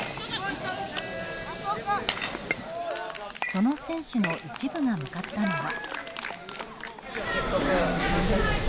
その選手の一部が向かったのは。